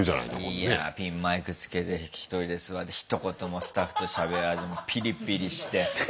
いいやピンマイクつけて１人で座ってひと言もスタッフとしゃべらずピリピリして。